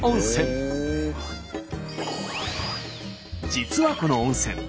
実はこの温泉